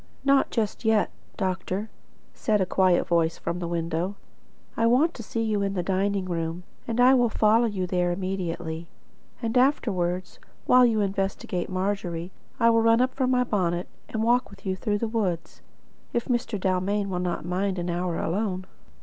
"Not just yet, doctor," said a quiet voice from the window. "I want to see you in the dining room, and will follow you there immediately. And afterwards, while you investigate Margery, I will run up for my bonnet, and walk with you through the woods, if Mr. Dalmain will not mind an hour alone."